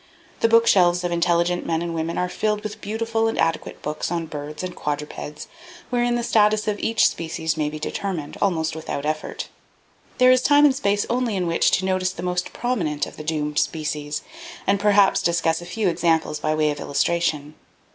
The bookshelves of intelligent men and women are filled with beautiful and adequate books on birds and quadrupeds, wherein the status of each species may be determined, almost without effort. There is time and space only in which to notice the most prominent of the doomed species, and perhaps discuss a few examples by way of illustration.